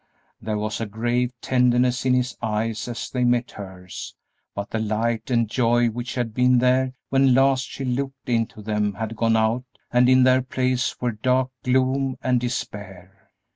There was a grave tenderness in his eyes as they met hers, but the light and joy which had been there when last she looked into them had gone out and in their place were dark gloom and despair.